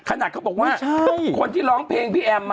ขนาดเขาบอกว่าคนที่ร้องเพลงพี่แอมมา